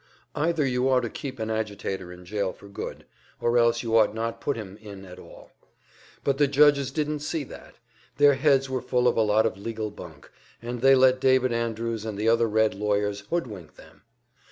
Either you ought to keep an agitator in jail for good, or else you ought not put him in at all. But the judges didn't see that their heads were full of a lot of legal bunk, and they let David Andrews and the other Red lawyers hood wink them.